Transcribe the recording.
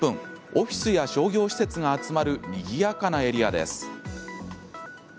オフィスや商業施設が集まるにぎやかなエリアです。